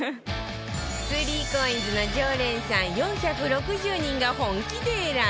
３ＣＯＩＮＳ の常連さん４６０人が本気で選んだ